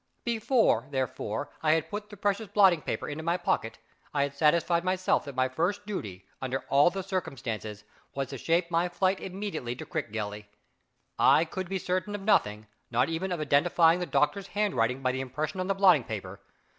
Before, therefore, I had put the precious blotting paper into my pocket, I had satisfied myself that my first duty, under all the circumstances, was to shape my flight immediately to Crickgelly. I could be certain of nothing not even of identifying the doctor's handwriting by the impression on the blotting paper.